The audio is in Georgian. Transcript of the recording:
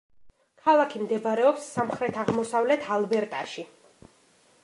ქალაქი მდებარეობს სამხრეთ-აღმოსავლეთ ალბერტაში.